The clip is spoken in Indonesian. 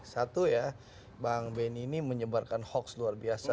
satu ya bang benny ini menyebarkan hoax luar biasa